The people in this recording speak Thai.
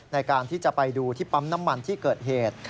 ในการที่จะไปดูที่ปั๊มน้ำมันที่เกิดเหตุ